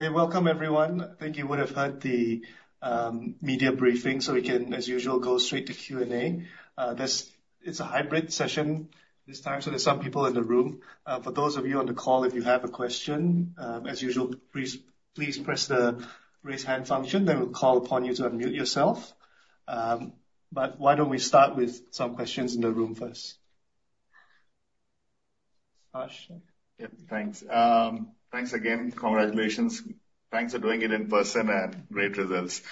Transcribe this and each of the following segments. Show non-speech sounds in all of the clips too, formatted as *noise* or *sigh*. Hey, welcome, everyone. I think you would have heard the media briefing, so we can, as usual, go straight to Q&A. It's a hybrid session this time, so there's some people in the room. For those of you on the call, if you have a question, as usual, please press the raise hand function, then we'll call upon you to unmute yourself. But why don't we start with some questions in the room first? Yep, thanks. Thanks again. Congratulations. Thanks for doing it in person and great results.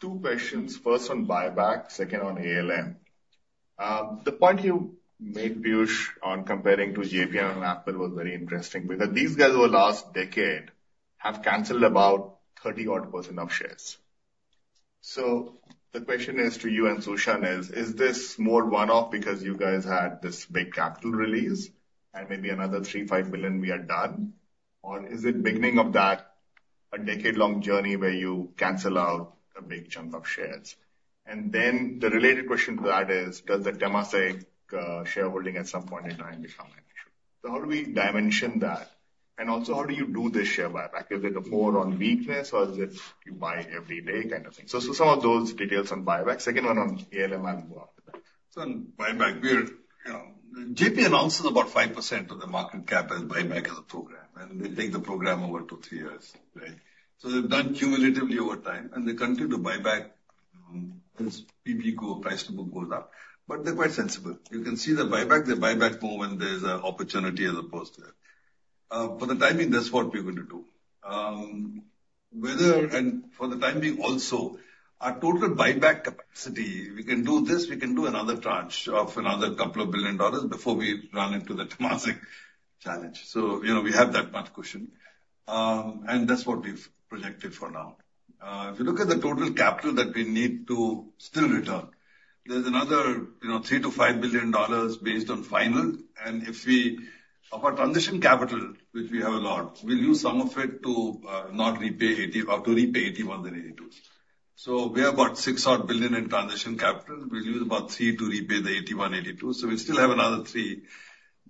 Two questions. First on buyback, second on ALM. The point you made, Piyush, on comparing to JPM and Apple was very interesting because these guys over the last decade have canceled about 30-odd percent of shares. So the question is to you and Su Shan, is this more one-off because you guys had this big capital release and maybe another 3 million-5 million we are done, or is it beginning of that decade-long journey where you cancel out a big chunk of shares? And then the related question to that is, does the Temasek shareholding at some point in time become an issue? So how do we dimension that? And also, how do you do this share buyback? Is it a buy on weakness, or is it you buy every day kind of thing? Some of those details on buyback. Second one on ALM and. So on buyback, JPM announces about 5% of the market cap as buyback as a program, and they take the program over two to three years, right? So they've done cumulatively over time, and they continue to buy back as P/B price to book goes up. But they're quite sensible. You can see the buyback, they buy back more when there's an opportunity as opposed to it. For the time being, that's what we're going to do. And for the time being also, our total buyback capacity, we can do this, we can do another tranche of another couple of billion SGD before we run into the Temasek challenge. So we have that much cushion. And that's what we've projected for now. If you look at the total capital that we need to still return, there's another 3 billion-5 billion dollars based on final. And if we have our transition capital, which we have a lot, we'll use some of it to not repay 81, then 82, so we have about 6-odd billion in transition capital. We'll use about three to repay the 81, 82, so we'll still have another three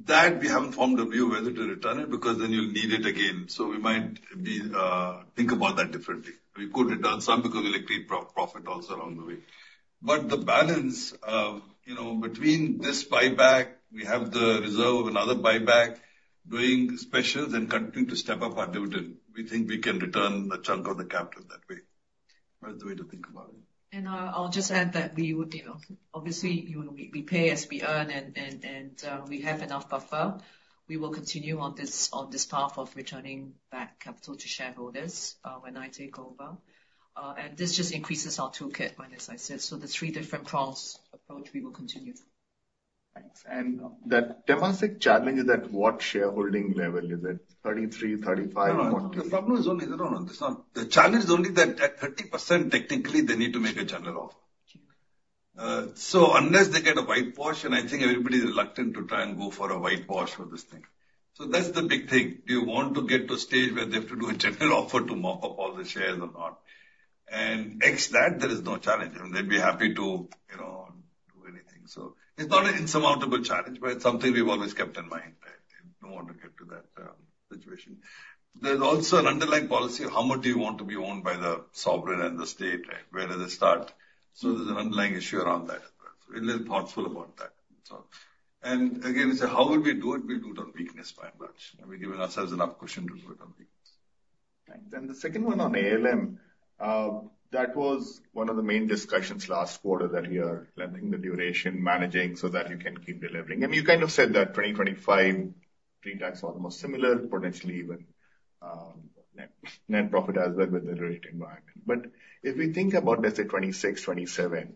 that we haven't formed a view whether to return it because then you'll need it again, so we might think about that differently. We could return some because we'll create profit also along the way, but the balance between this buyback, we have the reserve of another buyback, doing specials and continuing to step up our dividend. We think we can return a chunk of the capital that way. That's the way to think about it. I'll just add that we would obviously repay as we earn, and we have enough buffer. We will continue on this path of returning back capital to shareholders when I take over. This just increases our toolkit, as I said. The three different prongs approach, we will continue. Thanks. And that Temasek challenge, is that what shareholding level? Is it 33%, 35%, 40%? No, the problem is only that challenge is only that at 30%, technically, they need to make a general offer. So unless they get a whitewash, and I think everybody's reluctant to try and go for a whitewash for this thing. So that's the big thing. Do you want to get to a stage where they have to do a general offer to mop up all the shares or not? And absent that, there is no challenge. They'd be happy to do anything. So it's not an insurmountable challenge, but it's something we've always kept in mind. We want to get to that situation. There's also an underlying policy. How much do you want to be owned by the sovereign and the state? Where does it start? So there's an underlying issue around that as well. So we're a little thoughtful about that. And again, how will we do it? We'll do it on weakness by and large. We're giving ourselves enough cushion to do it on weakness. Thanks. And the second one on ALM, that was one of the main discussions last quarter that we are lengthening the duration, managing so that you can keep delivering. And you kind of said that 2025, 3x almost similar, potentially even net profit as well with the rate environment. But if we think about, let's say, 2026, 2027,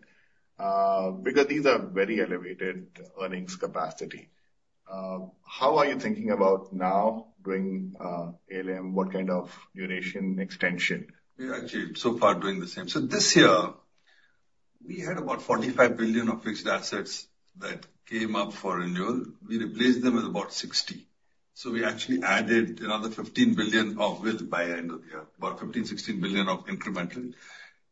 because these are very elevated earnings capacity, how are you thinking about now doing ALM? What kind of duration extension? We're actually so far doing the same. This year, we had about 45 billion of fixed assets that came up for renewal. We replaced them with about 60 billion. So we actually added another 15 billion of new by the end of the year, about 15 billion-16 billion of incremental.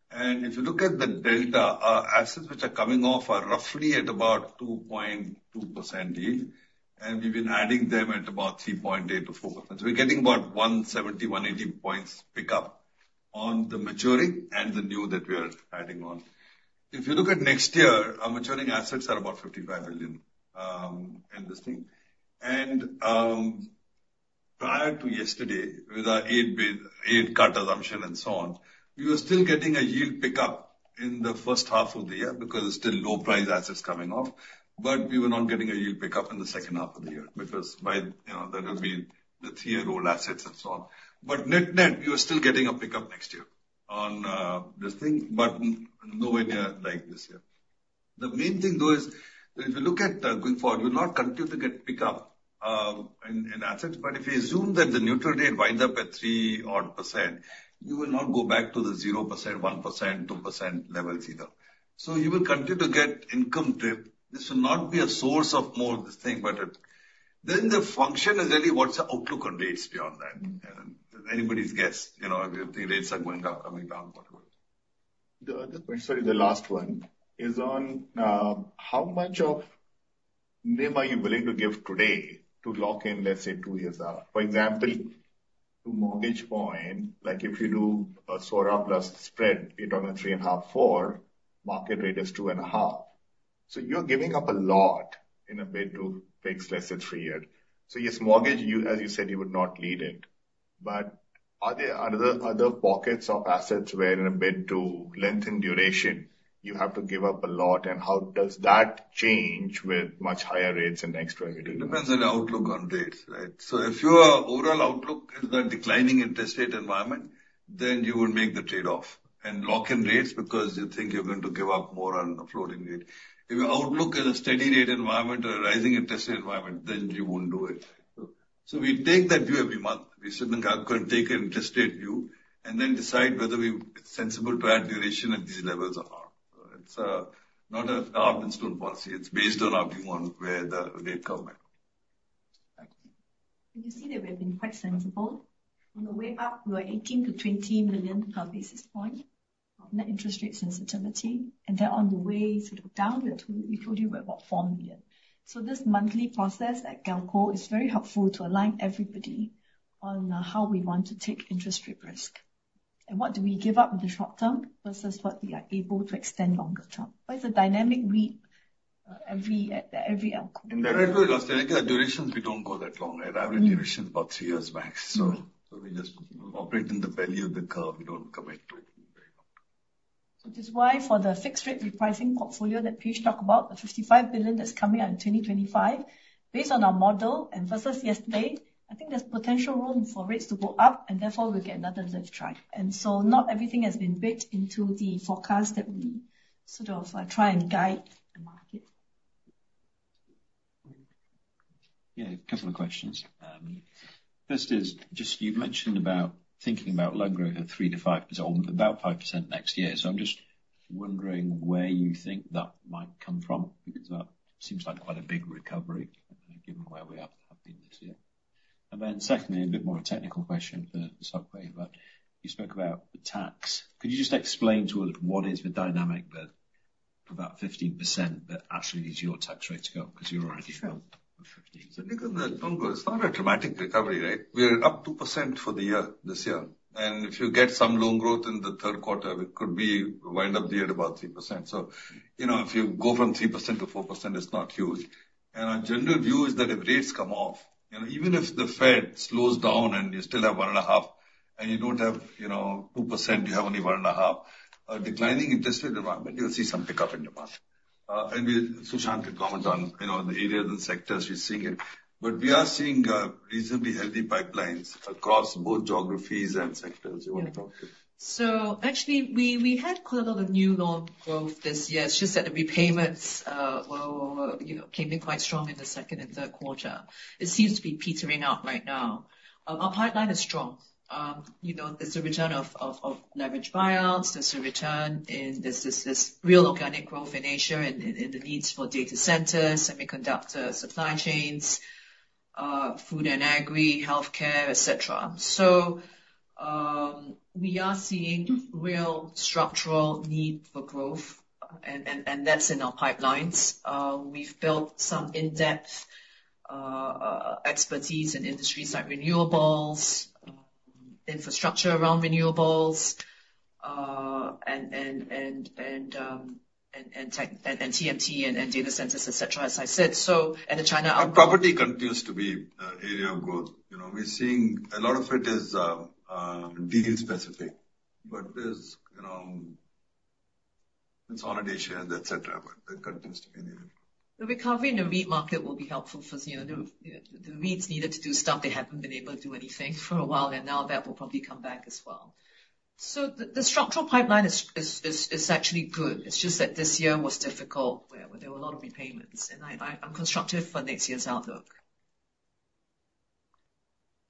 And if you look at the delta, assets which are coming off are roughly at about 2.2% yield. And we've been adding them at about 3.8%-4%. So we're getting about 170-180 points pickup on the maturing and the new that we are adding on. If you look at next year, our maturing assets are about 55 billion in this thing. And prior to yesterday, with our rate-cut assumption and so on, we were still getting a yield pickup in the first half of the year because there's still low-yield assets coming off. But we were not getting a yield pickup in the second half of the year because that would be the three-year-old assets and so on. But net net, we were still getting a pickup next year on this thing, but nowhere near like this year. The main thing, though, is if you look at going forward, we will not continue to get pickup in assets. But if you assume that the neutral rate winds up at 3-odd percent, you will not go back to the 0%, 1%, 2% levels either. So you will continue to get income drip. This will not be a source of more of this thing, but then the function is really what's the outlook on rates beyond that? And it's anybody's guess. If you think rates are going up, coming down, whatever. The other question, sorry, the last one is on how much of NIM are you willing to give today to lock in, let's say, two years out? For example, to mortgage point, like if you do a SORA plus spread, you're talking 3.5-4, market rate is 2.5. So you're giving up a lot in a bid to fix, let's say, three years. So yes, mortgage, as you said, you would not need it. But are there other pockets of assets where in a bid to lengthen duration, you have to give up a lot? And how does that change with much higher rates and extra? It depends on the outlook on rates, right? So if your overall outlook is the declining interest rate environment, then you would make the trade-off and lock in rates because you think you're going to give up more on the floating rate. If your outlook is a steady rate environment or a rising interest rate environment, then you won't do it. So we take that view every month. We sit in the GALCO and take an interest rate view and then decide whether we're sensible to add duration at these levels or not. It's not a set-in-stone policy. It's based on our view on where the rate comes out. You see that we've been quite sensible. On the way up, we were 18-20 million per basis point of net interest rate sensitivity. They're on the way sort of downward. We told you we're about 4 million. This monthly process at GALCO is very helpful to align everybody on how we want to take interest rate risk. What do we give up in the short term versus what we are able to extend longer term? It's a dynamic week at every ALCO. In the two-year in Australia, durations, we don't go that long. Average duration is about three years max. So we just operate in the value of the curve. We don't commit to it. Which is why for the fixed rate repricing portfolio that Piyush talked about, the 55 billion that's coming out in 2025, based on our model and versus yesterday, I think there's potential room for rates to go up, and therefore we'll get another lift ride, and so not everything has been baked into the forecast that we sort of try and guide the market. Yeah, a couple of questions. First is just you've mentioned about thinking about loan growth at 3%-5%, about 5% next year. So I'm just wondering where you think that might come from because that seems like quite a big recovery given where we have been this year. And then secondly, a bit more technical question for Sok Hui, but you spoke about the tax. Could you just explain to us what is the dynamic that about 15% that actually needs your tax rate to go up because you're already above 15%? So look at the loan growth. It's not a dramatic recovery, right? We're up 2% for the year this year. And if you get some loan growth in the third quarter, it could wind up the year at about 3%. So if you go from 3% to 4%, it's not huge. And our general view is that if rates come off, even if the Fed slows down and you still have one and a half and you don't have 2%, you have only one and a half, a declining interest rate environment, you'll see some pickup in your market. And Su Shan could comment on the areas and sectors we're seeing it. But we are seeing reasonably healthy pipelines across both geographies and sectors you want to talk to. So actually, we had quite a lot of new loan growth this year. It's just that the repayments came in quite strong in the second and third quarter. It seems to be petering out right now. Our pipeline is strong. There's a return of leverage buyouts. There's a return in this real organic growth in Asia and the needs for data centers, semiconductor supply chains, food and agri, healthcare, etc. So we are seeing real structural need for growth, and that's in our pipelines. We've built some in-depth expertise in industries like renewables, infrastructure around renewables, and TMT and data centers, etc., as I said. So. And the China. And property continues to be an area of growth. We're seeing a lot of it is deal specific, but there's consolidations, etc. But that continues to be an area. The recovery in the wealth market will be helpful for the wealth's needed to do stuff. They haven't been able to do anything for a while, and now that will probably come back as well. So the structural pipeline is actually good. It's just that this year was difficult where there were a lot of repayments. And I'm constructive for next year's outlook.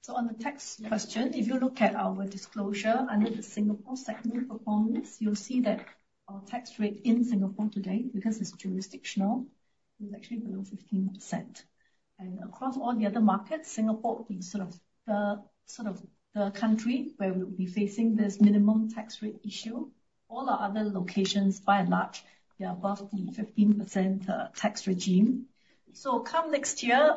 So on the tax question, if you look at our disclosure under the Singapore Segment Performance, you'll see that our tax rate in Singapore today, because it's jurisdictional, is actually below 15%. And across all the other markets, Singapore would be sort of the country where we would be facing this minimum tax rate issue. All our other locations, by and large, they're above the 15% tax regime. So come next year,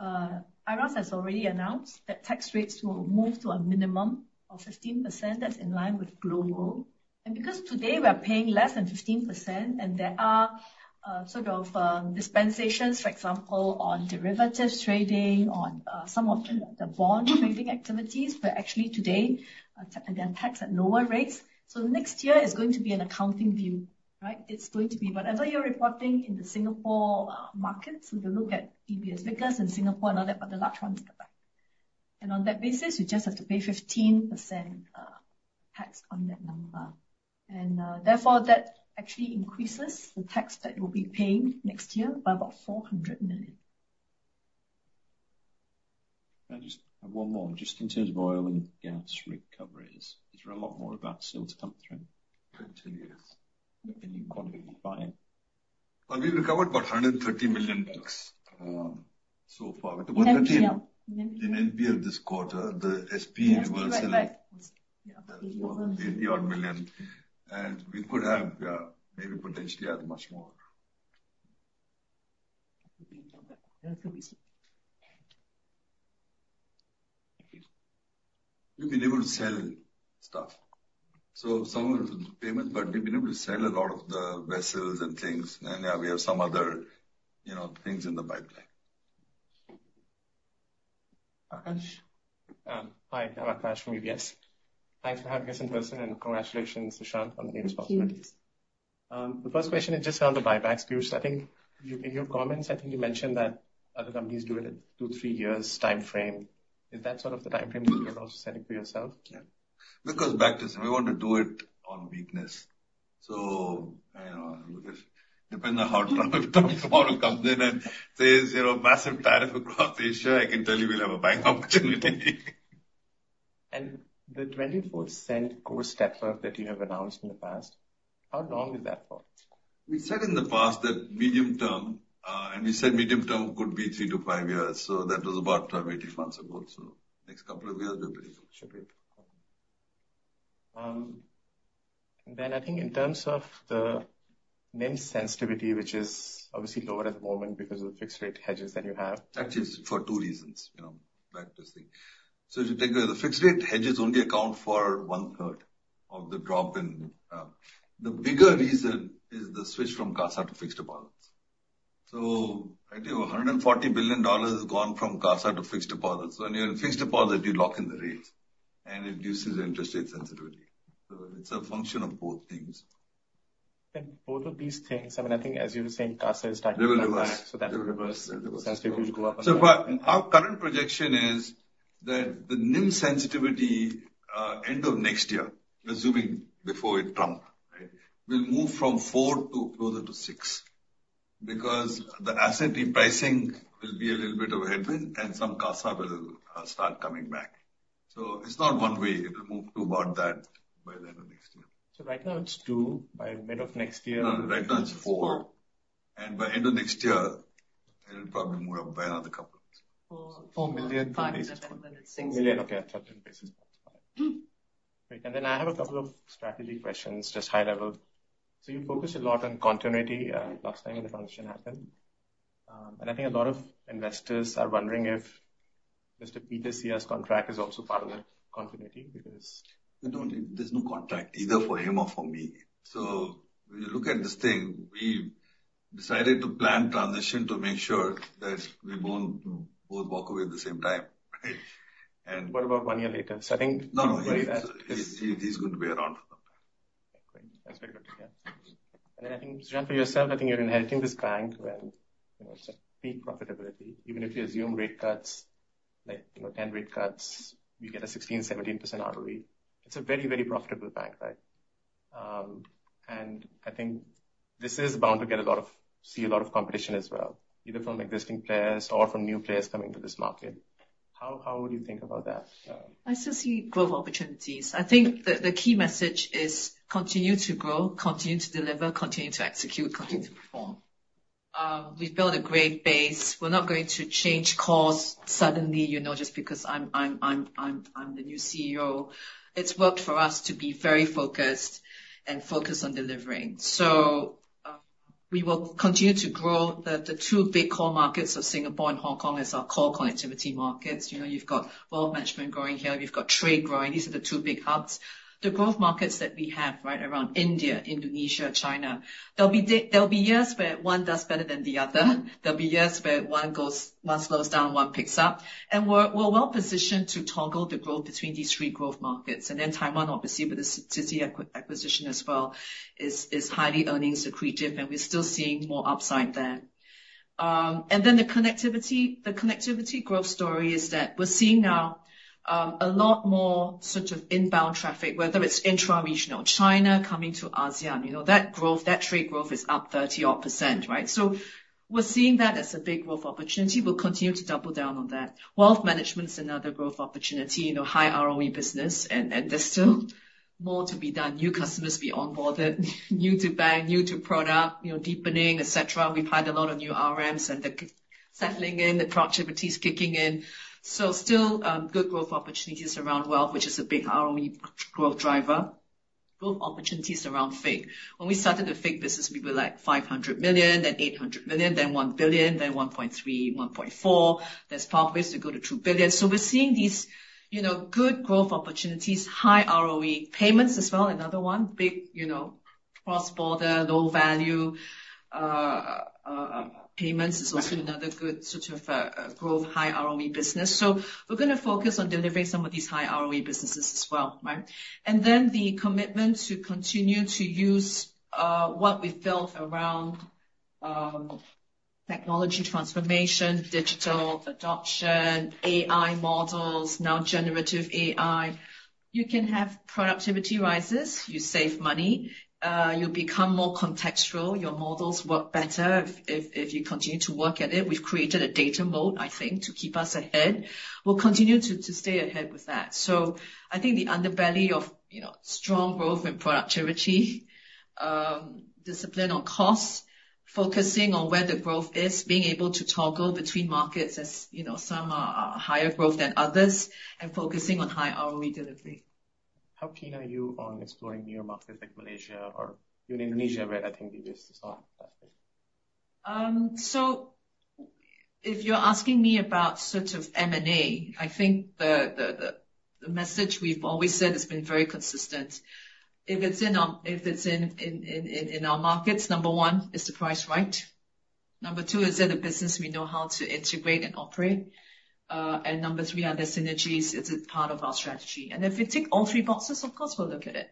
IRAS has already announced that tax rates will move to a minimum of 15%. That's in line with global. And because today we are paying less than 15%, and there are sort of dispensations, for example, on derivatives trading, on some of the bond trading activities, where actually today they are taxed at lower rates. So next year is going to be an accounting view, right? It's going to be whatever you're reporting in the Singapore market. If you look at DBS Vickers in Singapore and all that, but the large ones at the back. And on that basis, you just have to pay 15% tax on that number. And therefore, that actually increases the tax that you'll be paying next year by about 400 million. Can I just have one more? Just in terms of oil and gas recoveries, is there a lot more of that still to come through? Continues. Any quantity buying? We've recovered about 130 million bucks so far. The NPL this quarter, the SP reversal. Yeah, 80-odd million. We could have maybe potentially had much more. We've been able to sell stuff. So some of the payments, but we've been able to sell a lot of the vessels and things. Yeah, we have some other things in the pipeline. Aakash? Hi, I'm Aakash from UBS. Thanks for having us in person, and congratulations, Su Shan, on the responsibilities. The first question is just around the buyback, Piyush. I think in your comments, I think you mentioned that other companies do it in two, three years' time frame. Is that sort of the time frame that you're also setting for yourself? Yeah. Because back to this, we want to do it on weakness. So depending on how Trump tomorrow comes in and says massive tariff across Asia, I can tell you we'll have a buying opportunity. The 24% core step-up that you have announced in the past, how long is that for? We said in the past that medium term, and we said medium term could be three to five years. So that was about 18 months ago. So next couple of years, we're pretty sure. I think in terms of the NIM sensitivity, which is obviously lower at the moment because of the fixed rate hedges that you have. Hedges for two reasons. Back to the thing. If you take away the fixed rate hedges, they only account for 1/3 of the drop in. The bigger reason is the switch from CASA to fixed deposits. I think 140 billion dollars has gone from CASA to fixed deposits. When you're in fixed deposit, you lock in the rates, and it reduces interest rate sensitivity. It's a function of both things. Both of these things, I mean, I think, as you were saying, CASA is starting to come back. That's a reverse sensitivity to go up. So our current projection is that the NIM sensitivity end of next year, assuming before Trump, right, will move from four to closer to six because the asset repricing will be a little bit of a headwind, and some CASA will start coming back. So it's not one way. It will move to about that by the end of next year. Right now it's two by mid of next year. Right now it's four and by end of next year, it'll probably move up by another couple of. 4 million by next year. SGD 4 million. Okay. I'll try to emphasize that. Great. And then I have a couple of strategy questions, just high level. So you focus a lot on continuity last time when the transition happened. And I think a lot of investors are wondering if Mr. Peter Seah's contract is also part of the continuity because. There's no contract either for him or for me. So when you look at this thing, we decided to plan transition to make sure that we won't both walk away at the same time, right? What about one year later? So I think. No, no. He's going to be around for some time. Great. That's very good to hear. And then I think, Su Shan, for yourself, I think you're inheriting this bank with big profitability. Even if you assume rate cuts, like 10 rate cuts, you get a 16%-17% ROE. It's a very, very profitable bank, right? And I think this is bound to see a lot of competition as well, either from existing players or from new players coming to this market. How would you think about that? I still see growth opportunities. I think the key message is continue to grow, continue to deliver, continue to execute, continue to perform. We've built a great base. We're not going to change course suddenly just because I'm the new CEO. It's worked for us to be very focused and focused on delivering. So we will continue to grow. The two big core markets of Singapore and Hong Kong are our core connectivity markets. You've got wealth management growing here. You've got trade growing. These are the two big hubs. The growth markets that we have right around India, Indonesia, China, there'll be years where one does better than the other. There'll be years where one slows down, one picks up. And we're well positioned to toggle the growth between these three growth markets. Taiwan, obviously, with the Citi acquisition as well, is highly earnings accretive, and we're still seeing more upside there. The connectivity growth story is that we're seeing now a lot more sort of inbound traffic, whether it's intra-regional China coming to ASEAN. That trade growth is up 30-odd percent, right? We're seeing that as a big growth opportunity. We'll continue to double down on that. Wealth management is another growth opportunity. High ROE business, and there's still more to be done. New customers to be onboarded, new to bank, new to product, deepening, etc. We've had a lot of new RMs and the settling in, the productivity is kicking in. Still good growth opportunities around wealth, which is a big ROE growth driver. Growth opportunities around FIG. When we started the FIG business, we were like 500 million, then 800 million, then 1 billion, then 1.3 billion, 1.4 billion. There's pathways to go to 2 billion. So we're seeing these good growth opportunities, high ROE payments as well. Another one, big cross-border, low-value payments is also another good sort of growth, high ROE business. So we're going to focus on delivering some of these high ROE businesses as well, right? And then the commitment to continue to use what we've built around technology transformation, digital adoption, AI models, now generative AI. You can have productivity rises. You save money. You become more contextual. Your models work better if you continue to work at it. We've created a data moat, I think, to keep us ahead. We'll continue to stay ahead with that. I think the underbelly of strong growth and productivity, discipline on costs, focusing on where the growth is, being able to toggle between markets as some are higher growth than others, and focusing on high ROE delivery. How keen are you on exploring newer markets like Malaysia or even Indonesia where I think the U.S. is not that big? So if you're asking me about sort of M&A, I think the message we've always said has been very consistent. If it's in our markets, number one is the price right. Number two, is it a business we know how to integrate and operate? And number three, are there synergies? Is it part of our strategy? And if we tick all three boxes, of course, we'll look at it,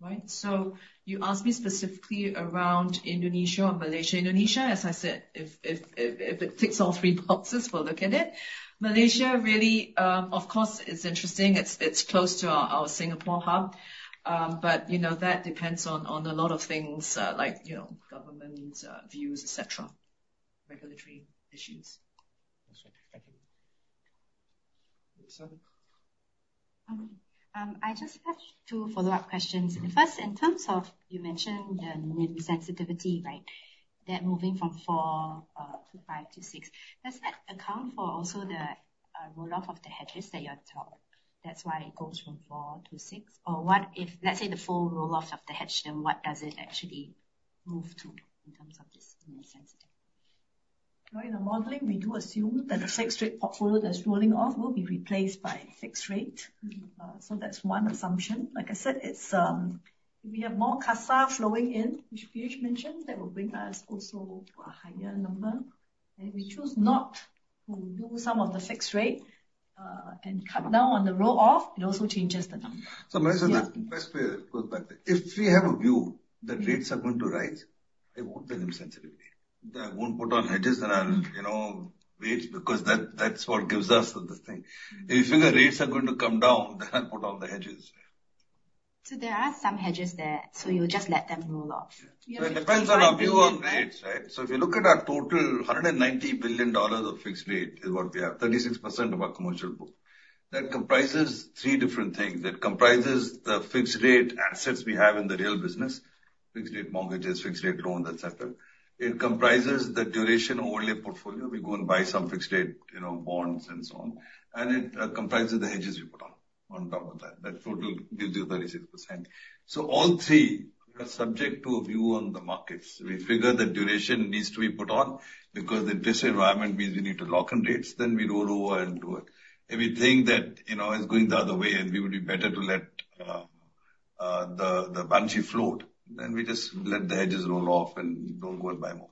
right? So you asked me specifically around Indonesia or Malaysia. Indonesia, as I said, if it ticks all three boxes, we'll look at it. Malaysia really, of course, is interesting. It's close to our Singapore hub. But that depends on a lot of things like government views, etc., regulatory issues. Thank you. I just have two follow-up questions. First, in terms of you mentioned the NIM sensitivity, right, that moving from four to five to six, does that account for also the rolloff of the hedges that you're talking? That's why it goes from four to six. Or what if, let's say, the full rolloff of the hedge, then what does it actually move to in terms of this NIM sensitivity? In our modeling, we do assume that the fixed-rate portfolio that's rolling off will be replaced by fixed-rate. So that's one assumption. Like I said, if we have more CASA flowing in, which Piyush mentioned, that will bring us also to a higher number. If we choose not to do some of the fixed rate and cut down on the rolloff, it also changes the number. Let me say that first way to put it back. If we have a view that rates are going to rise, I won't do NIM sensitivity. I won't put on hedges and wait because that's what gives us the thing. If you figure rates are going to come down, then I'll put on the hedges. So there are some hedges there, so you'll just let them roll off? Yeah. It depends on our view on rates, right? So if you look at our total, 190 billion dollars of fixed rate is what we have, 36% of our commercial book. That comprises three different things. It comprises the fixed-rate assets we have in the retail business, fixed-rate mortgages, fixed-rate loans, etc. It comprises the duration-only portfolio. We go and buy some fixed-rate bonds and so on, and it comprises the hedges we put on top of that. That total gives you 36%. So all three are subject to a view on the markets. We figure the duration needs to be put on because the interest environment means we need to lock in rates, then we roll over and do it. If we think that it's going the other way and we would be better to let the balance sheet float, then we just let the hedges roll off and don't go and buy more.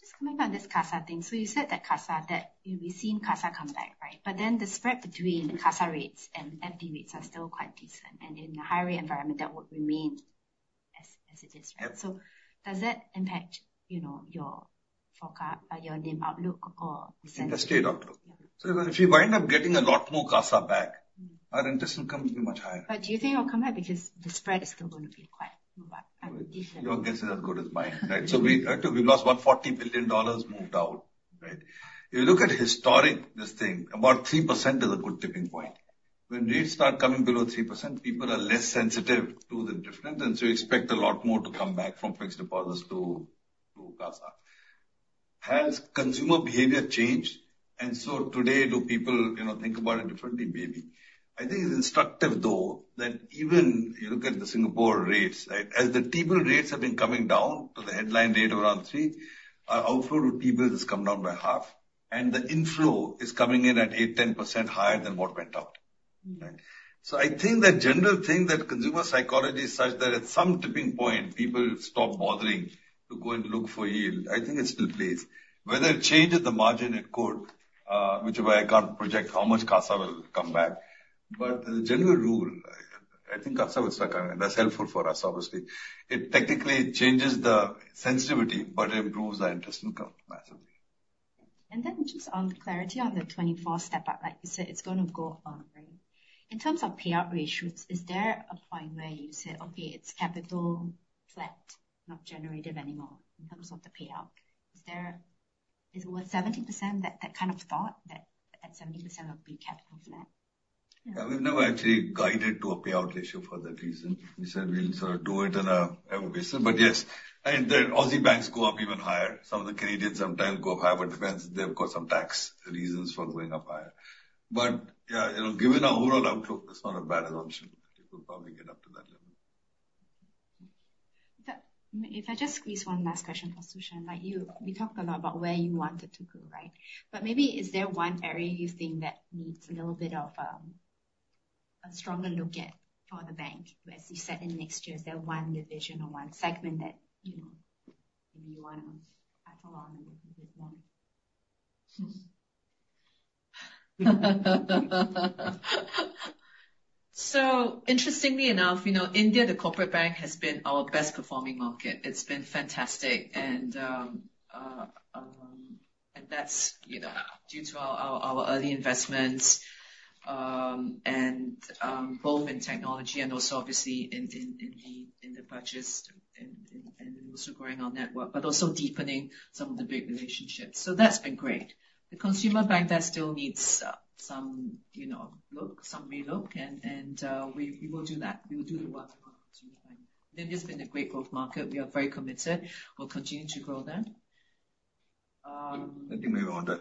Just comment on this CASA thing. So you said that CASA, that we've seen CASA come back, right? But then the spread between CASA rates and FD rates are still quite decent. And in a higher rate environment, that would remain as it is, right? So does that impact your NIM outlook or? The interest rate outlook. So if you wind up getting a lot more CASA back, our interest income will be much higher. But do you think it'll come back because the spread is still going to be quite? Your guess is as good as mine, right? So we've lost 140 billion dollars moved out, right? If you look at historic this thing, about 3% is a good tipping point. When rates start coming below 3%, people are less sensitive to the difference, and so you expect a lot more to come back from fixed deposits to CASA. Has consumer behavior changed? And so today, do people think about it differently? Maybe. I think it's instructive, though, that even you look at the Singapore rates, right? As the T-bill rates have been coming down to the headline rate of around 3, our outflow to T-bills has come down by half, and the inflow is coming in at 8, 10% higher than what went out, right? So I think the general thing that consumer psychology is such that at some tipping point, people stop bothering to go and look for yield. I think it still plays. Whether it changes the margin, it could, which is why I can't project how much CASA will come back. But the general rule, I think CASA will start coming in. That's helpful for us, obviously. It technically changes the sensitivity, but it improves our interest income massively. And then just on clarity on the 24 step-up, like you said, it's going to go up, right? In terms of payout ratios, is there a point where you say, "Okay, it's capital flat, not generative anymore in terms of the payout"? Is there what, 70%, that kind of thought that 70% will be capital flat? We've never actually guided to a payout ratio for that reason. We said we'll sort of do it on an evergreen basis. But yes, and the Aussie banks go up even higher. Some of the Canadians sometimes go up higher, but depends. They've got some tax reasons for going up higher. But yeah, given our overall outlook, that's not a bad assumption. People probably get up to that level. If I just squeeze one last question for Su Shan, we talked a lot about where you want it to go, right? But maybe is there one area you think that needs a little bit of a stronger look at for the bank as you said in next year? Is there one division or one segment that maybe you want to add on a little bit more? So interestingly enough, India, the corporate bank, has been our best-performing market. It's been fantastic. And that's due to our early investments both in technology and also, obviously, in the purchase and also growing our network, but also deepening some of the big relationships. So that's been great. The consumer bank, that still needs some relook, and we will do that. We will do the work for the consumer bank. India has been a great growth market. We are very committed. We'll continue to grow there. I think maybe on that,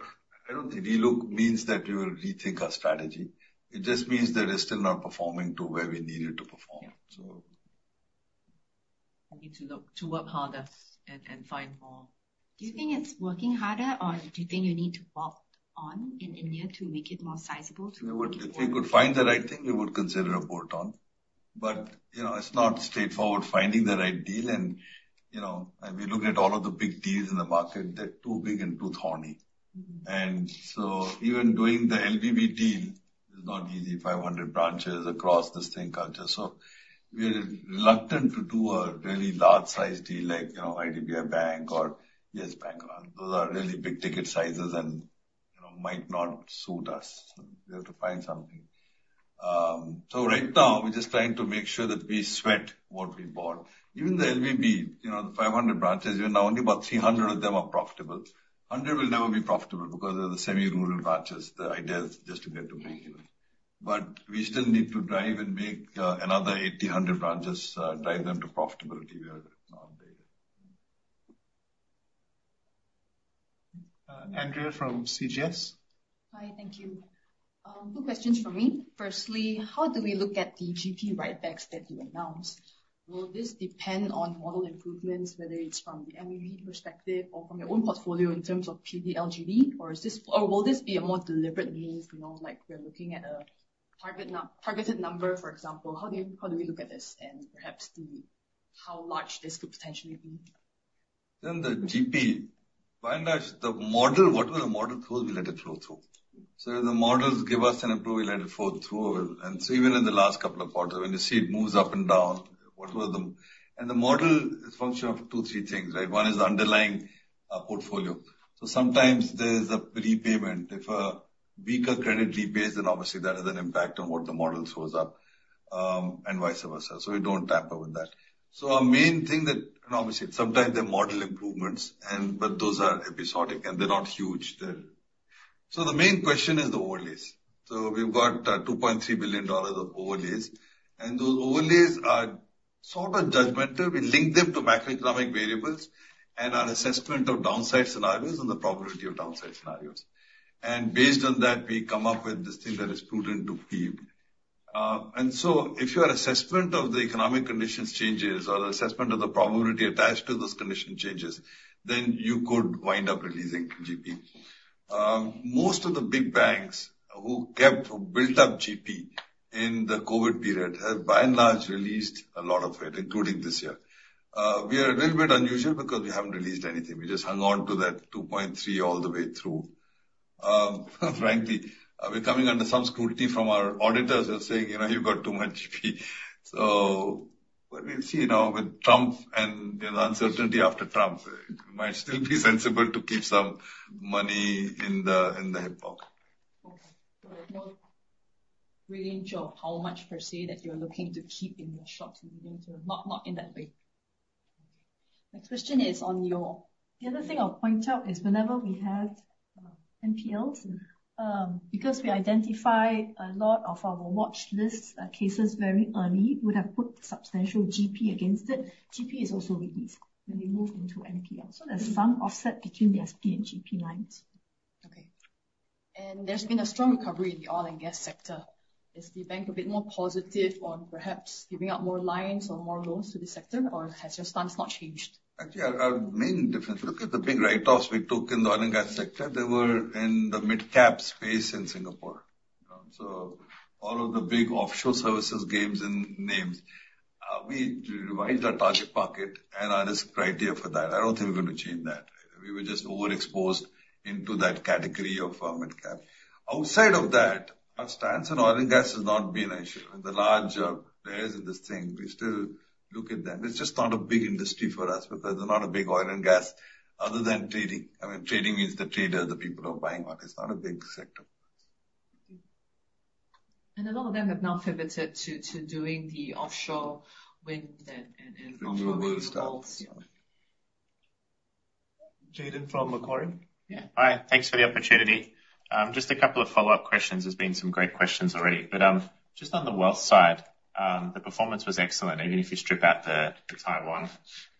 I don't think relook means that we will rethink our strategy. It just means that it's still not performing to where we need it to perform, so. We need to work harder and find more. Do you think it's working harder, or do you think you need to bolt on in India to make it more sizable, too? If we could find the right thing, we would consider a bolt-on. But it's not straightforward finding the right deal. And we look at all of the big deals in the market. They're too big and too thorny. And so even doing the LVB deal is not easy, 500 branches across the same culture. So we're reluctant to do a really large-sized deal like IDBI Bank or YES BANK. Those are really big-ticket sizes and might not suit us. We have to find something. So right now, we're just trying to make sure that we sweat what we bought. Even the LVB, the 500 branches, even now, only about 300 of them are profitable. 100 will never be profitable because they're the semi-rural branches. The idea is just to get to big. But we still need to drive and make another 80, 100 branches, drive them to profitability. We are not there. Andrea from CGS. Hi, thank you. Two questions for me. Firstly, how do we look at the GP writebacks that you announced? Will this depend on model improvements, whether it's from the MEV perspective or from your own portfolio in terms of PD, LGD, or will this be a more deliberate move? We're looking at a targeted number, for example. How do we look at this and perhaps how large this could potentially be? Then the GP, why not the model? What will the model tell us? We let it flow through. So if the models give us an approval, we let it flow through. And so even in the last couple of quarters, when you see it moves up and down, what will the and the model is a function of two, three things, right? One is the underlying portfolio. So sometimes there's a repayment. If a weaker credit repays, then obviously that has an impact on what the model shows up and vice versa. So we don't tamper with that. So our main thing that, and obviously, sometimes there are model improvements, but those are episodic, and they're not huge. So the main question is the overlays. So we've got 2.3 billion dollars of overlays. And those overlays are sort of judgmental. We link them to macroeconomic variables and our assessment of downside scenarios and the probability of downside scenarios. And based on that, we come up with this thing that is prudent to keep. And so if your assessment of the economic conditions changes or the assessment of the probability attached to those conditions changes, then you could wind up releasing GP. Most of the big banks who built up GP in the COVID period have, by and large, released a lot of it, including this year. We are a little bit unusual because we haven't released anything. We just hung on to that 2.3 all the way through. Frankly, we're coming under some scrutiny from our auditors who are saying, "You've got too much GP." So we'll see now with Trump and the uncertainty after Trump, it might still be sensible to keep some money in the hip pocket. Okay. So there's no range of how much per se that you're looking to keep in your short-term leading term, not in that way. My question is on your. The other thing I'll point out is whenever we had NPLs, because we identify a lot of our watch list cases very early, we would have put substantial GP against it. GP is also released when we move into NPL. So there's some offset between the SP and GP lines. Okay. There's been a strong recovery in the oil and gas sector. Is the bank a bit more positive on perhaps giving up more lines or more loans to the sector, or has your stance not changed? Actually, our main difference. Look at the big write-offs we took in the oil and gas sector. They were in the mid-cap space in Singapore. So all of the big offshore services games and names, we revised our target market and our risk criteria for that. I don't think we're going to change that. We were just overexposed into that category of mid-cap. Outside of that, our stance on oil and gas has not been an issue. The large players in this thing, we still look at them. It's just not a big industry for us because there's not a big oil and gas other than trading. I mean, trading means the traders, the people who are buying oil. It's not a big sector for us. A lot of them have now pivoted to doing the offshore wind and renewables. Jayden from Macquarie. Yeah. Hi. Thanks for the opportunity. Just a couple of follow-up questions. There's been some great questions already. But just on the wealth side, the performance was excellent, even if you strip out the Taiwan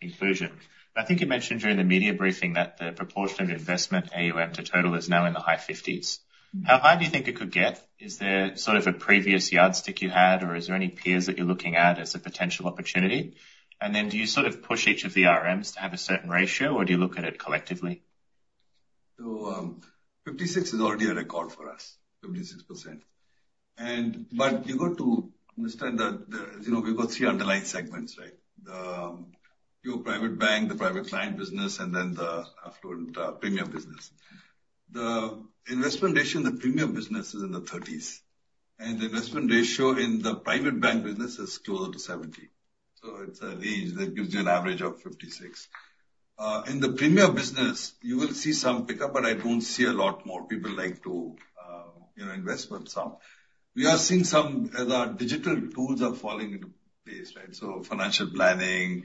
inclusion. But I think you mentioned during the media briefing that the proportion of investment AUM to total is now in the high 50s. How high do you think it could get? Is there sort of a previous yardstick you had, or is there any peers that you're looking at as a potential opportunity? And then do you sort of push each of the RMs to have a certain ratio, or do you look at it collectively? So 56% is already a record for us, 56%. But you've got to understand that we've got three underlying segments, right? The pure private bank, the private client business, and then the affluent premium business. The investment ratio in the premium business is in the 30%s. And the investment ratio in the private bank business is closer to 70%. So it's a range that gives you an average of 56%. In the premium business, you will see some pickup, but I don't see a lot more. People like to invest with some. We are seeing some as our digital tools are falling into place, right? So financial planning,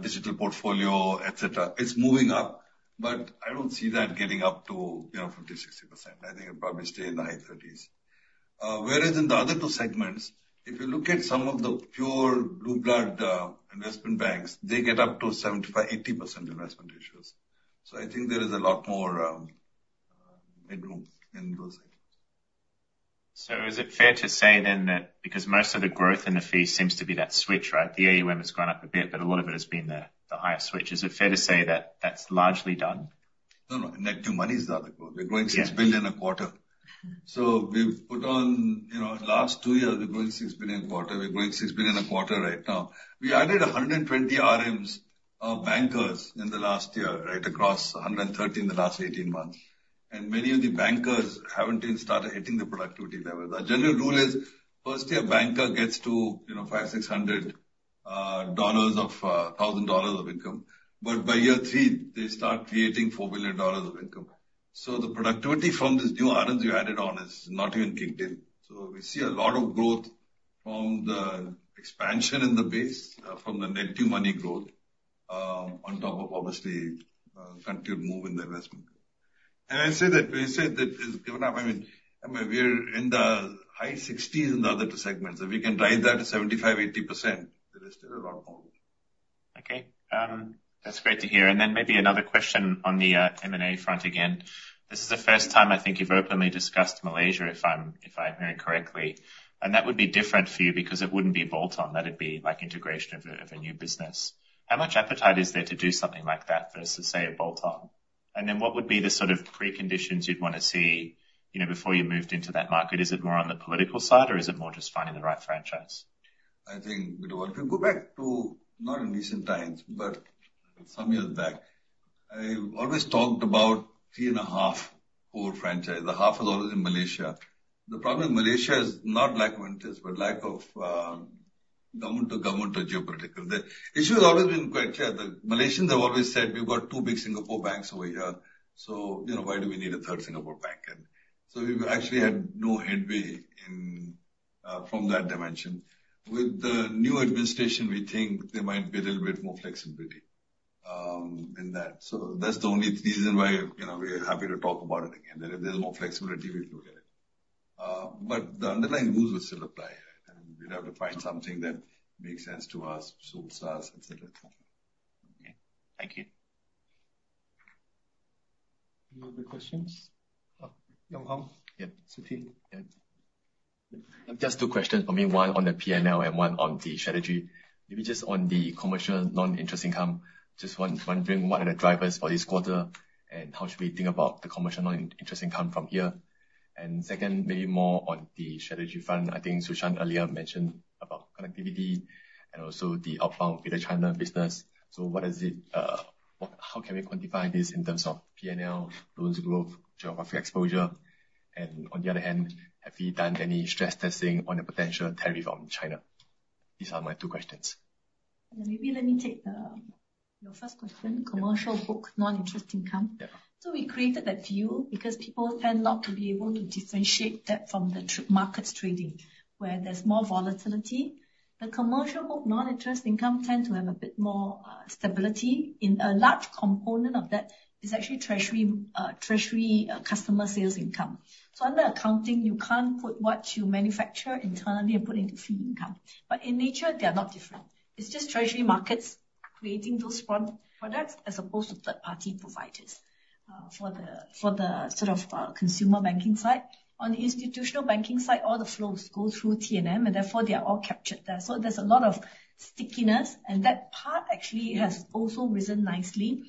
digital portfolio, etc. It's moving up, but I don't see that getting up to 50%-60%. I think it'll probably stay in the high 30%s. Whereas in the other two segments, if you look at some of the pure blue-blood investment banks, they get up to 75%-80% cost-income ratios. So I think there is a lot more headroom in those segments. So is it fair to say then that because most of the growth in the fees seems to be that switch, right? The AUM has gone up a bit, but a lot of it has been the higher switch. Is it fair to say that that's largely done? No, no. Net new money is the other goal. We're growing 6 billion a quarter. So we've put on last two years, we're growing 6 billion a quarter. We're growing 6 billion a quarter right now. We added 120 RMs of bankers in the last year, right, across 130 in the last 18 months. And many of the bankers haven't even started hitting the productivity levels. Our general rule is first year banker gets to 500,000-600,000 dollars of income. But by year three, they start creating 4 million dollars of income. So the productivity from these new RMs we added on is not even kicked in. So we see a lot of growth from the expansion in the base, from the net new money growth, on top of obviously continued movement in the investment. And I say that we said that it's gearing up. I mean, we're in the high 60%s in the other two segments. If we can drive that to 75%-80%, there is still a lot more. Okay. That's great to hear. And then maybe another question on the M&A front again. This is the first time I think you've openly discussed Malaysia, if I'm hearing correctly. And that would be different for you because it wouldn't be bolt-on. That'd be like integration of a new business. How much appetite is there to do something like that versus, say, a bolt-on? And then what would be the sort of preconditions you'd want to see before you moved into that market? Is it more on the political side, or is it more just finding the right franchise? I think we'll go back to not in recent times, but some years back. I always talked about three and a half core franchise. The half is always in Malaysia. The problem in Malaysia is not lack of interest, but lack of government-to-government or geopolitical. The issue has always been quite clear. The Malaysians have always said, "We've got two big Singapore banks over here. So why do we need a third Singapore bank?" And so we've actually had no headway from that dimension. With the new administration, we think there might be a little bit more flexibility in that. So that's the only reason why we're happy to talk about it again. There is more flexibility we can look at it. But the underlying rules will still apply, right? And we'd have to find something that makes sense to us, suits us, etc. Okay. Thank you. Any other questions? [Yong Hang]? Yeah. [Suthin]? Yeah. Just two questions. For me, one on the P&L and one on the strategy. Maybe just on the commercial non-interest income, just wondering what are the drivers for this quarter and how should we think about the commercial non-interest income from here. And second, maybe more on the strategy front. I think Su Shan earlier mentioned about connectivity and also the outbound with the China business. So what is it? How can we quantify this in terms of P&L, loans growth, geographic exposure? And on the other hand, have we done any stress testing on the potential tariff from China? These are my two questions. And maybe let me take your first question, commercial book non-interest income. So we created that view because people tend not to be able to differentiate that from the markets trading, where there's more volatility. The commercial book non-interest income tends to have a bit more stability. And a large component of that is actually treasury customer sales income. So under accounting, you can't put what you manufacture internally and put into fee income. But in nature, they are not different. It's just treasury markets creating those products as opposed to third-party providers for the sort of consumer banking side. On the institutional banking side, all the flows go through T&M, and therefore they are all captured there. So there's a lot of stickiness, and that part actually has also risen nicely.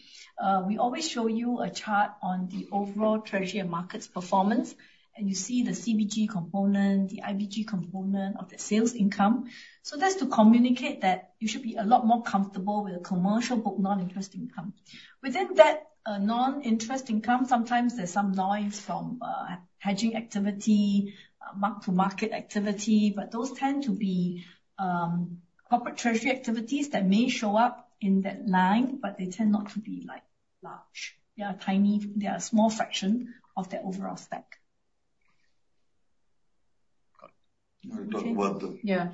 We always show you a chart on the overall treasury and markets performance, and you see the CBG component, the IBG component of the sales income. So that's to communicate that you should be a lot more comfortable with a commercial book non-interest income. Within that non-interest income, sometimes there's some noise from hedging activity, mark-to-market activity, but those tend to be corporate treasury activities that may show up in that line, but they tend not to be large. They are small fraction of their overall stack. Got it. *crosstalk* Yeah.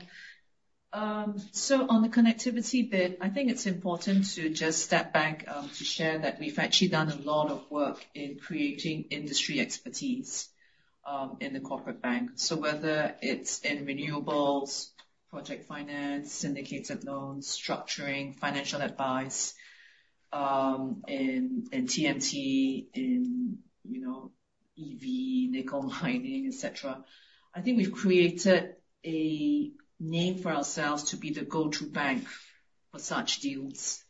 So on the connectivity bit, I think it's important to just step back to share that we've actually done a lot of work in creating industry expertise in the corporate bank. So whether it's in renewables, project finance, syndicated loans, structuring, financial advice, in TMT, in EV, nickel mining, etc., I think we've created a name for ourselves to be the go-to bank for such deals.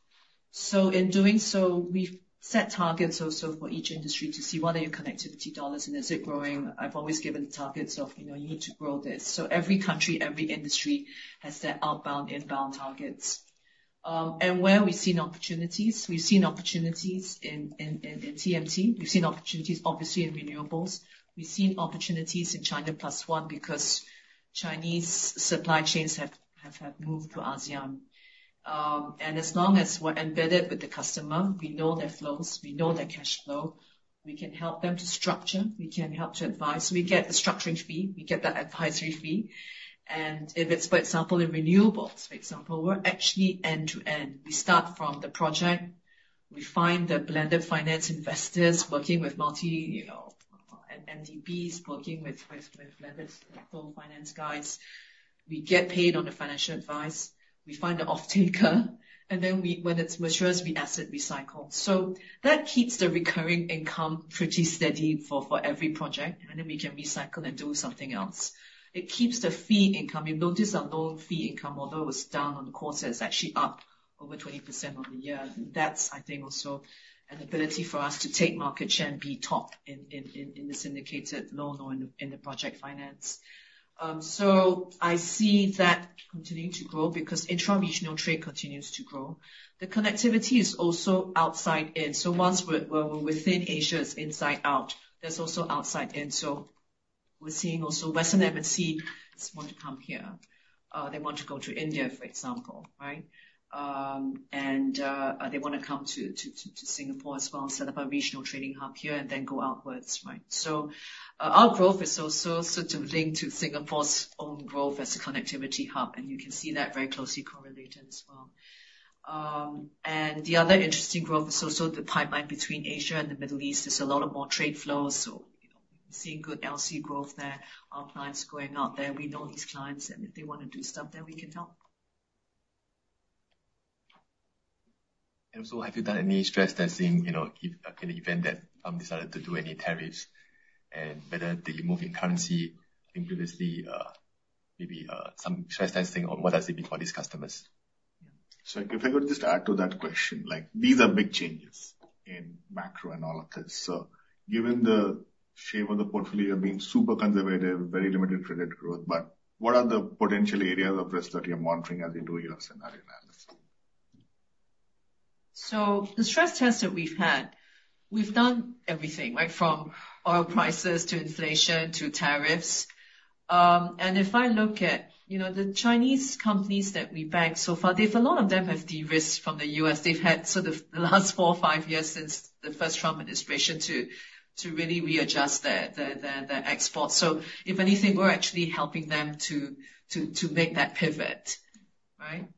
So in doing so, we've set targets also for each industry to see what are your connectivity dollars and is it growing. I've always given targets of, "You need to grow this." So every country, every industry has their outbound, inbound targets. And where we've seen opportunities, we've seen opportunities in TMT. We've seen opportunities, obviously, in renewables. We've seen opportunities in China plus one because Chinese supply chains have moved to ASEAN. As long as we're embedded with the customer, we know their flows, we know their cash flow, we can help them to structure, we can help to advise. So we get the structuring fee, we get the advisory fee. If it's, for example, in renewables, for example, we're actually end-to-end. We start from the project, we find the blended finance investors working with multi-MDBs working with blended financial finance guys. We get paid on the financial advice. We find the off-taker, and then when it's matures, we asset recycle. That keeps the recurring income pretty steady for every project, and then we can recycle and do something else. It keeps the fee income. You've noticed our loan fee income, although it was down on the quarter, it's actually up over 20% on the year. That's, I think, also an ability for us to take market share and be top in the syndicated loan or in the project finance. I see that continuing to grow because intra-regional trade continues to grow. The connectivity is also outside-in. Once we're within Asia, it's inside-out. There's also outside-in. We're seeing also Western MNCs want to come here. They want to go to India, for example, right? They want to come to Singapore as well, set up a regional trading hub here, and then go outwards, right? Our growth is also sort of linked to Singapore's own growth as a connectivity hub, and you can see that very closely correlated as well. The other interesting growth is also the pipeline between Asia and the Middle East. There's a lot more trade flows. So we're seeing good LC growth there, our clients going out there. We know these clients, and if they want to do stuff there, we can help. Also, have you done any stress testing in the event that some decided to do any tariffs and whether they move in currency? I think previously, maybe some stress testing on what does it mean for these customers? Yeah. If I were just to add to that question, these are big changes in macro analysis. Given the shape of the portfolio, you're being super conservative, very limited credit growth, but what are the potential areas of risk that you're monitoring as you do your scenario analysis? So the stress test that we've had, we've done everything, right, from oil prices to inflation to tariffs. And if I look at the Chinese companies that we bank so far, a lot of them have derisked from the U.S. They've had sort of the last four or five years since the first Trump administration to really readjust their exports. So if anything, we're actually helping them to make that pivot, right?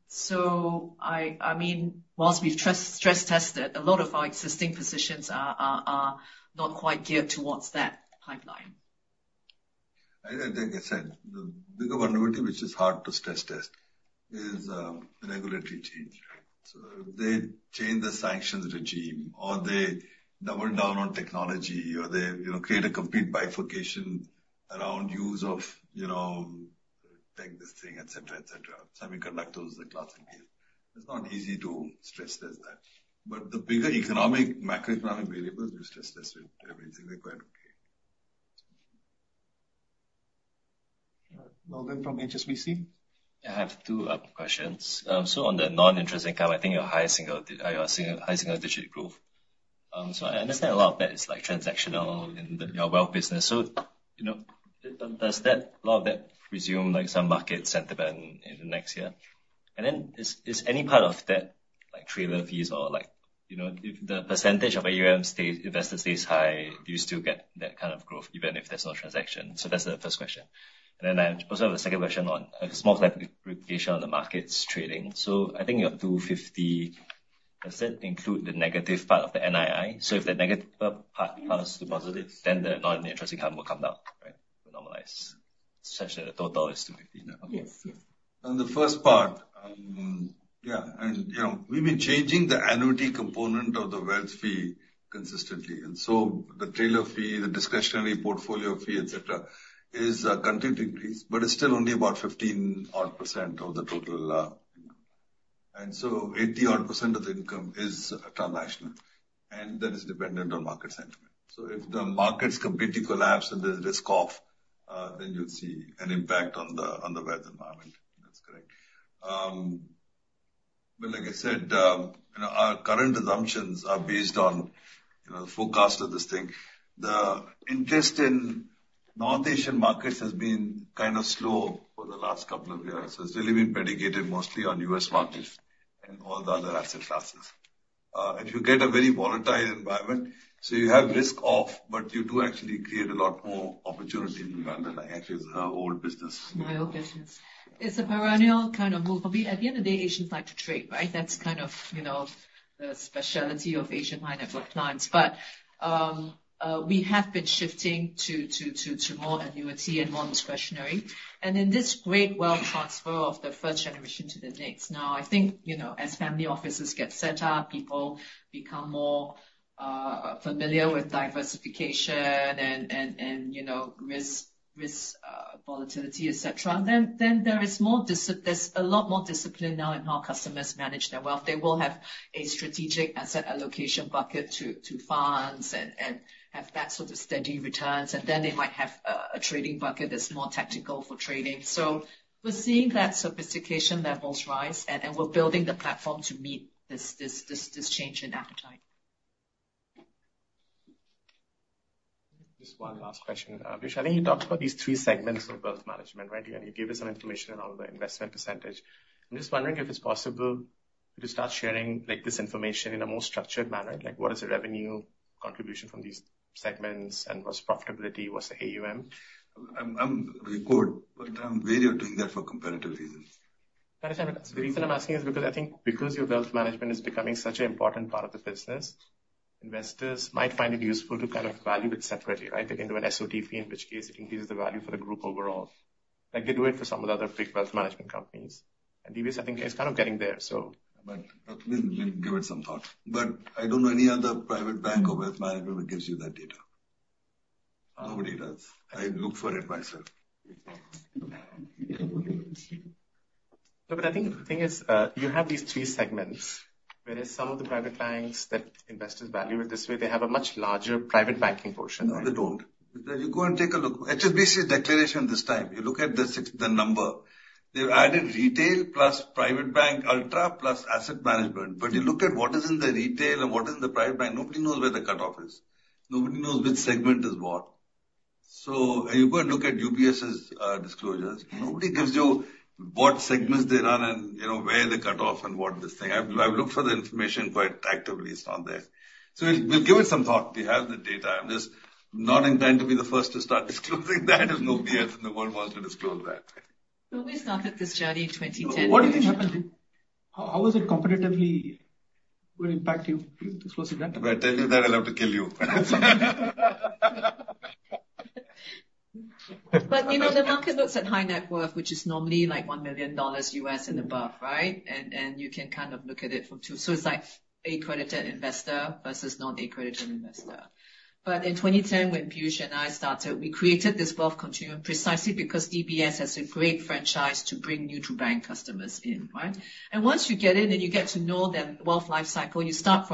So I mean, whilst we've stress tested, a lot of our existing positions are not quite geared towards that pipeline. I think, as I said, the bigger vulnerability, which is hard to stress test, is regulatory change, right? So if they change the sanctions regime or they double down on technology or they create a complete bifurcation around use of tech this thing, etc., etc., semiconductors, the classic case, it's not easy to stress test that. But the bigger economic, macroeconomic variables, we stress test everything. They're quite okay. Logan from HSBC? I have two questions. So on the non-interest income, I think your high single-digit growth. So I understand a lot of that is transactional in your wealth business. So does a lot of that assume some market sentiment in the next year? And then is any part of that trailer fees or if the percentage of AUM investors stays high, do you still get that kind of growth even if there's no transaction? So that's the first question. And then I also have a second question on a small clarification on the markets trading. So I think your 250% include the negative part of the NII. So if the negative part turns positive, then the non-interest income will come down, right? It will normalize such that the total is 250% now. Yes, yes. The first part, yeah. We've been changing the annuity component of the wealth fee consistently. The trailer fee, the discretionary portfolio fee, etc., is continuing to increase, but it's still only about 15-odd percent of the total. 80-odd percent of the income is transactional, and that is dependent on market sentiment. If the markets completely collapse and there's risk off, then you'll see an impact on the wealth environment. That's correct. Like I said, our current assumptions are based on the forecast of this thing. The interest in North Asian markets has been kind of slow for the last couple of years. It's really been predicated mostly on U.S. markets and all the other asset classes. You get a very volatile environment. So you have risk off, but you do actually create a lot more opportunity in the underlying. Actually, it's her old business. My old business. It's a perennial kind of move. At the end of the day, Asians like to trade, right? That's kind of the specialty of Asian high-net-worth clients. But we have been shifting to more annuity and more discretionary. And then this great wealth transfer of the first generation to the next. Now, I think as family offices get set up, people become more familiar with diversification and risk volatility, etc., then there is a lot more discipline now in how customers manage their wealth. They will have a strategic asset allocation bucket to funds and have that sort of steady returns. And then they might have a trading bucket that's more tactical for trading. So we're seeing that sophistication levels rise, and we're building the platform to meet this change in appetite. Just one last question. I think you talked about these three segments of wealth management, right, and you gave us some information on the investment percentage. I'm just wondering if it's possible to start sharing this information in a more structured manner. What is the revenue contribution from these segments? And what's profitability? What's the AUM? I'm on record, but I'm wary of doing that for comparative reasons. That is fine. The reason I'm asking is because I think because your wealth management is becoming such an important part of the business, investors might find it useful to kind of value it separately, right? They can do an SOTP, in which case it increases the value for the group overall. They do it for some of the other big wealth management companies. And DBS, I think, is kind of getting there, so. But let me give it some thought. But I don't know any other private bank or wealth manager that gives you that data. Nobody does. I look for it myself. But I think the thing is you have these three segments, whereas some of the private banks that investors value it this way, they have a much larger private banking portion. No, they don't. You go and take a look. HSBC's declaration this time, you look at the number, they've added retail plus private bank ultra plus asset management. But you look at what is in the retail and what is in the private bank, nobody knows where the cutoff is. Nobody knows which segment is what. So you go and look at UBS's disclosures. Nobody gives you what segments they run and where the cutoff and what this thing. I've looked for the information quite actively. It's not there. So we'll give it some thought. We have the data. I'm just not intending to be the first to start disclosing that if nobody else in the world wants to disclose that. Nobody started this journey in 2010. What did it happen to? How was it competitively? Would it impact you disclosing that? If I tell you that, I'll have to kill you. But the market looks at high net worth, which is normally like $1 million and above, right? And you can kind of look at it from two. So it's like accredited investor versus non-accredited investor. But in 2010, when Piyush and I started, we created this wealth continuum precisely because DBS has a great franchise to bring new-to-bank customers in, right? And once you get in and you get to know the wealth life cycle, you start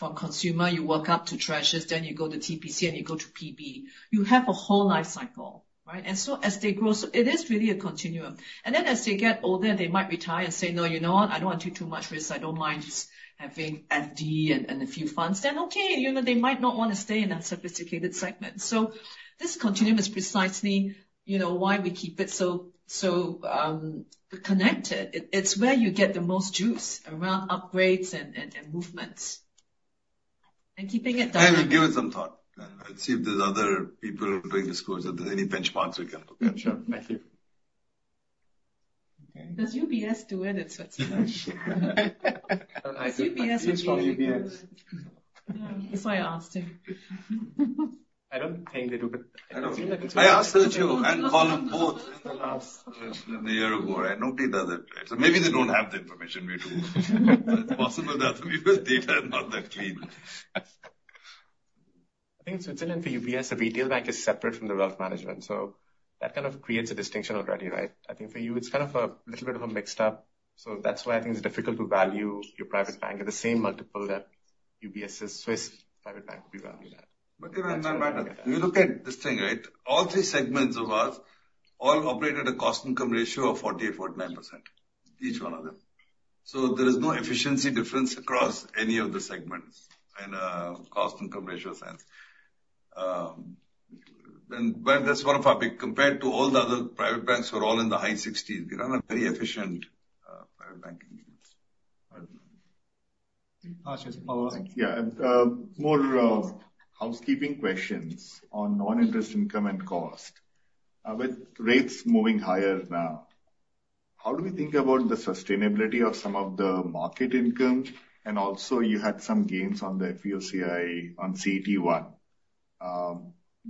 from consumer, you work up to Treasures, then you go to TPC and you go to PB. You have a whole life cycle, right? And so as they grow, it is really a continuum. And then as they get older, they might retire and say, "No, you know what? I don't want too much risk. I don't mind just having FD and a few funds." Then, okay, they might not want to stay in that sophisticated segment. So this continuum is precisely why we keep it so connected. It's where you get the most juice around upgrades and movements, and keeping it that way. I will give it some thought. Let's see if there's other people doing disclosures. If there's any benchmarks we can look at. Sure. Thank you. Does UBS do it? It's such a nice question. Does UBS do it? It's from UBS. That's why I asked him. I don't think they do, but it seems like it's really good. I asked the two and call them both in the last year or more. I know they does it. So maybe they don't have the information we do. It's possible that UBS data is not that clean. I think Switzerland for UBS, the retail bank is separate from the wealth management. So that kind of creates a distinction already, right? I think for you, it's kind of a little bit of a mixed up. So that's why I think it's difficult to value your private bank at the same multiple that UBS's Swiss private bank would be valued at. But you look at this thing, right? All three segments of us all operate at a cost-income ratio of 48%-49%, each one of them. So there is no efficiency difference across any of the segments in a cost-income ratio sense. But that's one of our big compared to all the other private banks who are all in the high 60%. We run a very efficient private banking unit. Ah, just a follow-up. Yeah. More housekeeping questions on non-interest income and cost. With rates moving higher now, how do we think about the sustainability of some of the market income? And also, you had some gains on the FVOCI on CET1.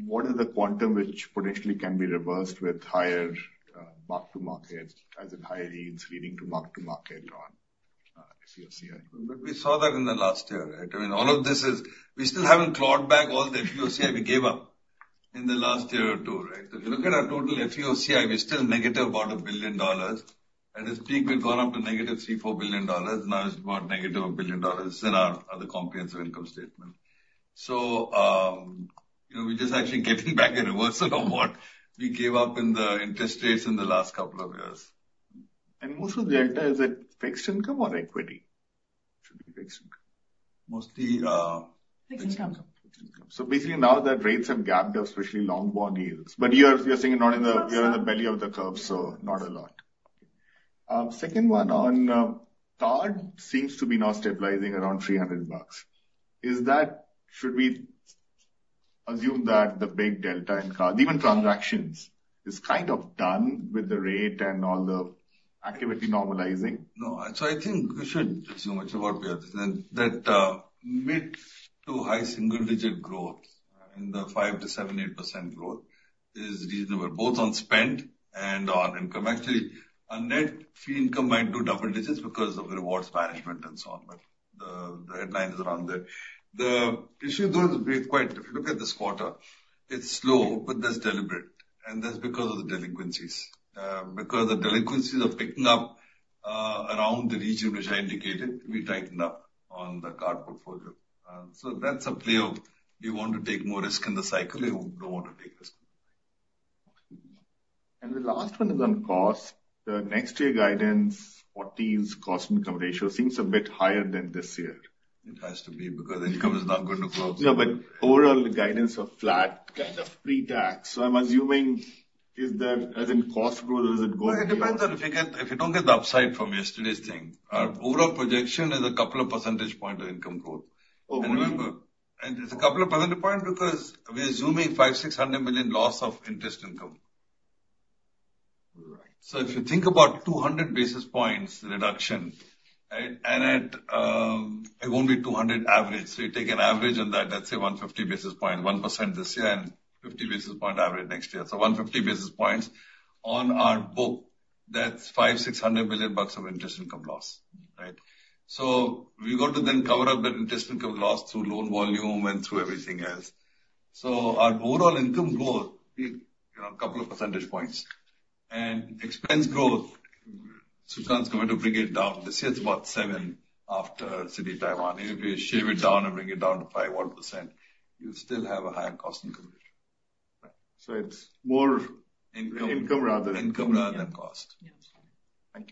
What is the quantum which potentially can be reversed with higher mark-to-market as in higher yields leading to mark-to-market on FVOCI? We saw that in the last year, right? I mean, all of this is we still haven't clawed back all the FVOCI we gave up in the last year or two, right? So if you look at our total FVOCI, we're still negative about 1 billion dollars. At this peak, we've gone up to -3 billion to -4 billion dollars. Now it's about -1 billion dollars in our other comprehensive income statement. So we're just actually getting back a reversal of what we gave up in the interest rates in the last couple of years. And most of the delta is at fixed income or equity? Should be fixed income. Mostly. Fixed income. Fixed income, so basically now that rates have gapped up, especially long bond yields, but you're saying you're in the belly of the curve, so not a lot. Second one on card seems to be now stabilizing around 300 bucks. Should we assume that the big delta in card, even transactions, is kind of done with the rate and all the activity normalizing? No, so I think we shouldn't assume much about beyond this. That mid to high single-digit growth in the 5%-8% is reasonable, both on spend and on income. Actually, our net fee income might do double digits because of rewards management and so on, but the headline is around there. The issue though is quite different. If you look at this quarter, it's slow, but that's deliberate, and that's because of the delinquencies. Because the delinquencies are picking up around the region which I indicated, we tightened up on the card portfolio. That's a play of we want to take more risk in the cycle. We don't want to take risk in the cycle. The last one is on cost. The next year guidance, 40s Cost-Income Ratio seems a bit higher than this year. It has to be because income is now going to growth. Yeah, but overall guidance of flat kind of pre-tax. So I'm assuming is that as in cost growth or is it going to? It depends on if you don't get the upside from yesterday's thing. Our overall projection is a couple of percentage points of income growth. It's a couple of percentage points because we're assuming SGD 500 million-600 million loss of interest income. If you think about 200 basis points reduction, and it won't be 200 average, so you take an average on that, let's say 150 basis points, 1% this year and 50 basis points average next year. 150 basis points on our book, that's 500 million-600 million bucks of interest income loss, right? We've got to then cover up that interest income loss through loan volume and through everything else. Our overall income growth, a couple of percentage points. Expense growth, Su Shan's going to bring it down. This year it's about 7% after Citi Taiwan. If you shave it down and bring it down to 5.1%, you still have a higher cost-income ratio. It's more income rather than cost. Income rather than cost.